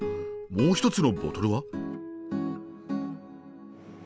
もう一つのボトルは？